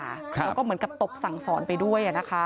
แล้วก็เหมือนกับตบสั่งสอนไปด้วยนะคะ